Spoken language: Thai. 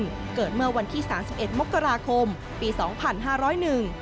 เหมือนเมื่อวันที่๓๑มกราคมปี๒๕๐๐หนึ่ง